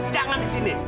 jangan di sini